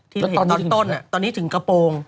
เห็นตอนต้นตอนนี้ถึงกระโปรง